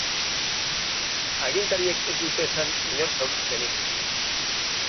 Agintariek ez dute esan inor zauritu denik.